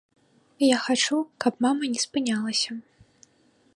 Я хачу, каб мама не спынялася.